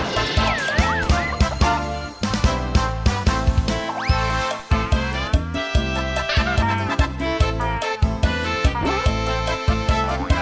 เดี๋ยว